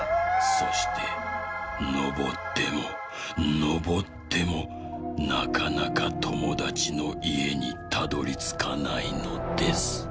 「そしてのぼってものぼってもなかなかともだちのいえにたどりつかないのです」。